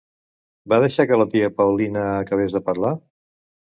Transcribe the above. Va deixar que la tia Paulina acabés de parlar?